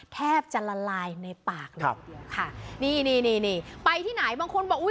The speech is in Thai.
แทบจะละลายในปากเลยทีเดียวค่ะนี่นี่นี่ไปที่ไหนบางคนบอกอุ้ย